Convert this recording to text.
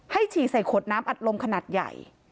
ฉี่ใส่ขวดน้ำอัดลมขนาดใหญ่